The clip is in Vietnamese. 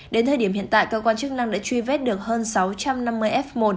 đến thời điểm hiện tại cơ quan chức năng đã truy vết được hơn sáu trăm năm mươi f một